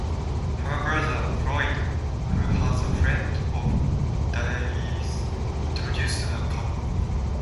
Her brother, Floyd, who was a friend of Daley's, introduced the couple.